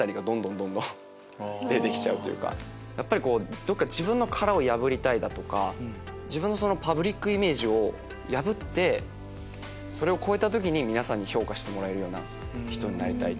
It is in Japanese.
どっか自分の殻を破りたいだとか自分のパブリックイメージを破ってそれを超えた時に皆さんに評価してもらえる人になりたい。